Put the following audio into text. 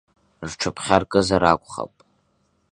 Рҽыԥхьаркызар акәхап…